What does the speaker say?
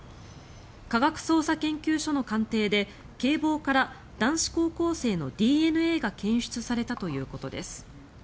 科学捜査研究所の鑑定で警棒から男子高校生のＤＮＡが検出されたということです。